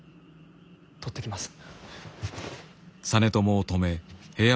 取ってきます。